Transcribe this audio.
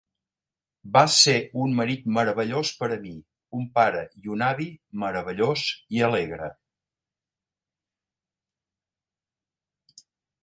Va ser un marit meravellós per a mi, un pare i un avi meravellós i alegre.